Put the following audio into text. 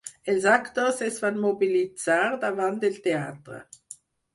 Els actors es van mobilitzar davant del teatre.